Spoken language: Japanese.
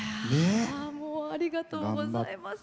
ありがとうございます。